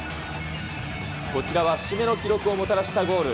こちらは節目の記録をもたらしたゴール。